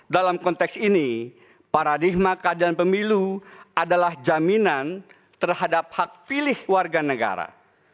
dalam konteks ini paradigma keadilan pemilu adalah jaminan terhadap hak pilih warga negara